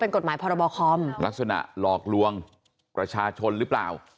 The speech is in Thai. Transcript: เป็นกฎหมายพรบคอมลักษณะหลอกลวงประชาชนหรือเปล่า